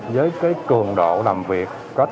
với cường độ là bệnh càng ngày càng nặng